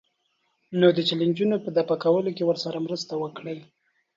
نو د چیلنجونو په دفع کولو کې ورسره مرسته وکړئ.